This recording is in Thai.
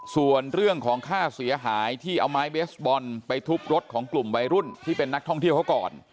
ส่วนเรื่องของค่าเสียหายที่เอาไม้เบสบอลไปทุบรถของกลุ่มวัยรุ่นที่เป็นนักท่องเที่ยวเขาก่อน